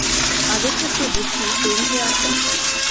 আগে থাকতে বুঝি তৈরি হয়ে আসেন?